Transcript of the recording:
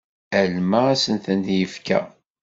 Alma asen-ten-yekfa.